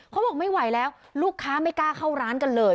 เขาบอกไม่ไหวแล้วลูกค้าไม่กล้าเข้าร้านกันเลย